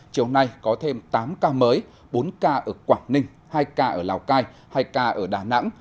chiều nay có thêm tám ca mới bốn ca ở quảng ninh hai ca ở lào cai hai ca ở đà nẵng